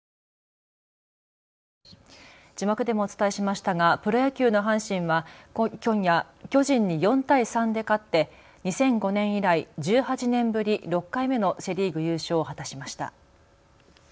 字幕でもお伝えしましたがプロ野球の阪神は今夜、巨人に４対３で勝って２００５年以来、１８年ぶり６回目のセ・リーグ優勝を果たしました。